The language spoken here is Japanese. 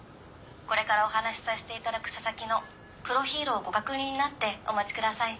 「これからお話しさせて頂く佐々木のプロフィルをご確認になってお待ちください」